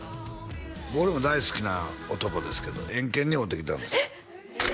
俺も大好きな男ですけどエンケンに会うてきたんですえっ！